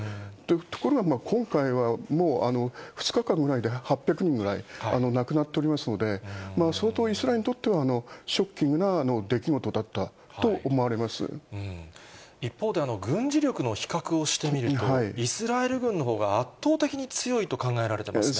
ところが今回は、もう２日間ぐらいで８００人ぐらい亡くなっておりますので、相当イスラエルにとっては、ショッキングな出来事だったと思一方で、軍事力の比較をしてみると、イスラエル軍のほうが圧倒的に強いと考えられてますね。